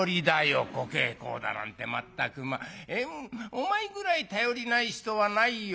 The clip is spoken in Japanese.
お前ぐらい頼りない人はないよ。